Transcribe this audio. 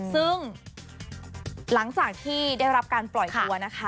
ซึ่งหลังจากที่ได้รับการปล่อยตัวนะคะ